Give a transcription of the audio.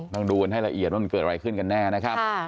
ต้องดูกันให้ละเอียดว่ามันเกิดอะไรขึ้นกันแน่นะครับ